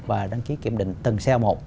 và đăng ký kiểm định từng xe một